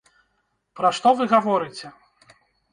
Пра што вы гаворыце?